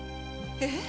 え？